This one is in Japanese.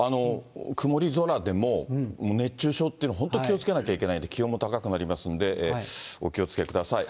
曇り空でも熱中症って、本当に気をつけなきゃいけないんで気温も高くなりますんで、お気をつけください。